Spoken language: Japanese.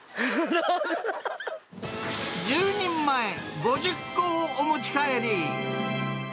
１０人前、５０個をお持ち帰り。